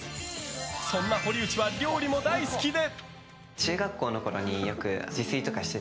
そんな堀内は料理も大好きで。